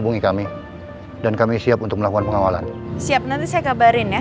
eh siapa yang ngasih ya